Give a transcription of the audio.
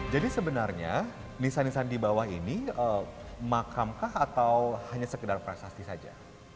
jadi sebenarnya nisan nisan di bawah ini makamkah atau hanya sekedar prasasti saja